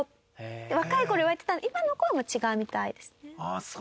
若い頃は言われてた今の子は違うみたいですね。